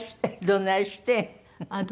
「どないしてん？」。